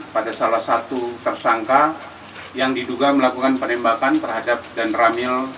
pada salah satu tersangka yang diduga melakukan penembakan terhadap dan ramil